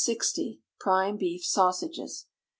Prime Beef Sausages.